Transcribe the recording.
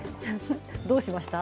どうしましたか？